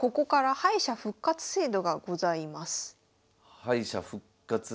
敗者復活で。